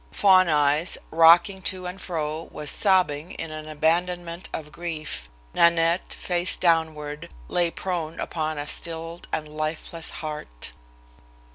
Fawn Eyes, rocking to and fro, was sobbing in an abandonment of grief. Nanette, face downward, lay prone upon a stilled and lifeless heart.